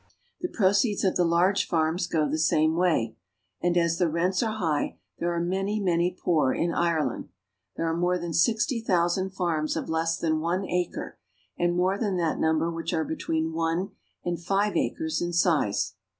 The proceeds of the large farms go the same way, and as the rents are high there are many, many poor in Ireland. There are more than sixty thousand farms of less than one acre, and more than that number which are between one and five acres in size.